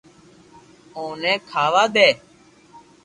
او ني کاوا دي